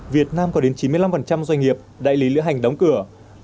việt nam có đến chín mươi năm doanh nghiệp đại lý lữ hành đóng cửa